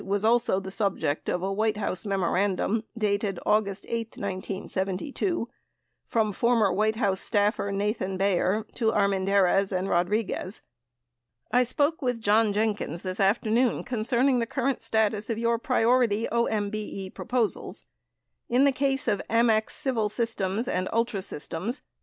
was also the subject of a White House memorandum dated August 8, 1972, from former White House staffer Nathan Bayer to Armendariz and Rodriguez. I spoke with John Jenkins this afternoon concerning the current status of your priority OMBE proposals. In the case of AMEX Civil Systems 84 and Ultra Systems, Inc.